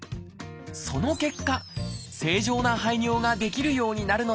その結果正常な排尿ができるようになるのです。